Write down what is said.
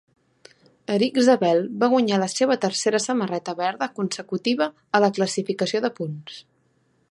Erik Zabel va guanyar la seva tercera samarreta verda consecutiva a la classificació de punts.